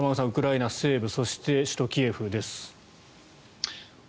ウクライナ西部そして首都キエフです。